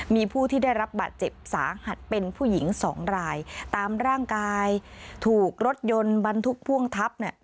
มีผู้ที่ได้รับบาดเจ็บสาหัสเป็นผู้หญิงสองรายตามร่างกายถูกรถยนต์บรรทุกพ่วงทับเนี่ย